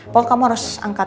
pokoknya kamu harus angkat